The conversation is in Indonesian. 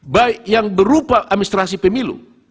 baik yang berupa administrasi pemilu